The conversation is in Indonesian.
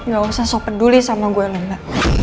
gak usah sopet dulu sama gue lomba